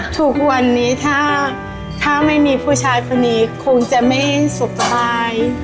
ทุกวันนี้ถ้าไม่มีผู้ชายคนนี้คงจะไม่สุขสบาย